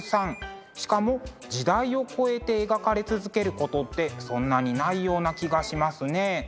しかも時代を超えて描かれ続けることってそんなにないような気がしますね。